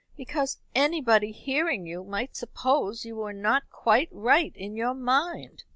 "Because anybody hearing you might suppose you were not quite right in your mind."